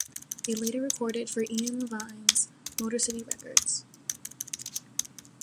They later recorded for Ian Levine's Motorcity Records.